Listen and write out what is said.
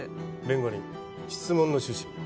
弁護人質問の趣旨は？